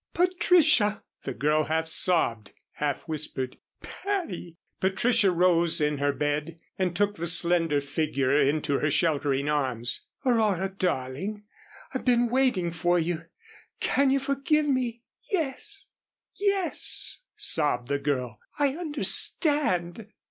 "Patricia!" the girl half sobbed, half whispered, "Patty!" Patricia rose in her bed and took the slender figure into her sheltering arms. "Aurora darling. I've been waiting for you. Can you forgive me?" "Yes yes," sobbed the girl. "I understand."